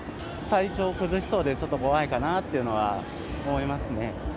体調を崩しそうで、ちょっと怖いかなっていうのは思いますね。